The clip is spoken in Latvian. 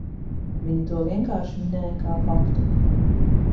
Viņa to vienkārši minēja kā faktu.